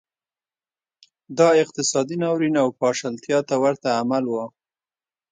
دا اقتصادي ناورین او پاشلتیا ته ورته عمل و